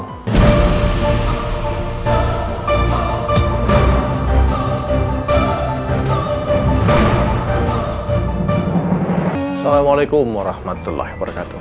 assalamualaikum warahmatullahi wabarakatuh